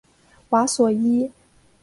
瓦索伊。